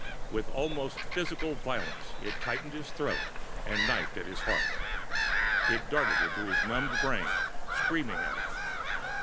With almost physical violence, it tightened his throat and knifed at his heart. It darted into his numbed brain, screaming at him.